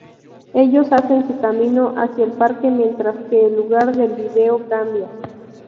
Ellos hacen su camino hacia el parque mientras que el lugar del vídeo cambia.